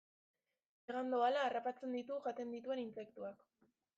Hegan doala harrapatzen ditu jaten dituen intsektuak.